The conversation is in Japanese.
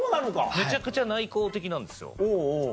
むちゃくちゃ内向的なんですよ。